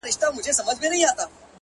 كه په رنگ باندي زه هر څومره تورېږم ـ